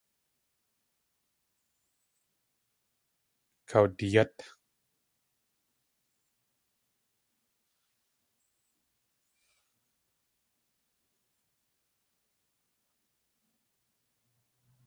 Kawdiyát.